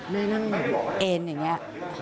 แม่นั่งเอ็นอย่างนี้